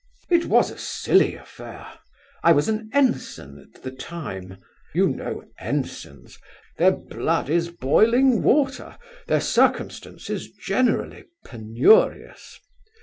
"It was a silly affair—I was an ensign at the time. You know ensigns—their blood is boiling water, their circumstances generally penurious.